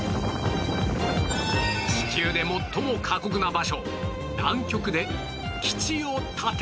地球で最も過酷な場所